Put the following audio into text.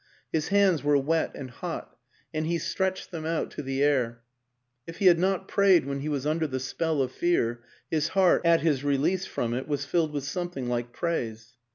His hands were wet and hot, and he stretched them out to the air; if he had not prayed when he was under the spell of fear, his heart, at his release from it, was filled with something like praise.